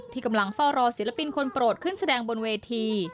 ที่กำลังเฝ้ารอศิลปินคนโปรดขึ้นแสดงบนเวที